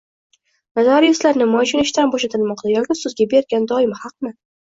Notariuslar nima uchun ishdan bo‘shatilmoqda? Yoki sudga bergan doim haqmi?